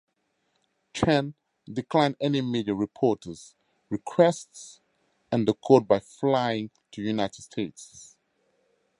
Chen declined any media reporters' requests and the court by flying to United States.